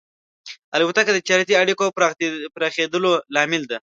الوتکه د تجارتي اړیکو پراخېدلو لامل ده.